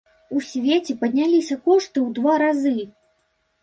У свеце падняліся кошты ў два разы!